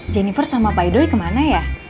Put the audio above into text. jennifer sama pak idoi kemana ya